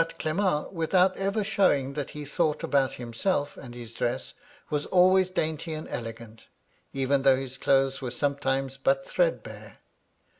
Clement, without eyer ahowing that he thought about himself and his dress, was always dainty and elegant, even diough his clothes were sometimes but threadbare.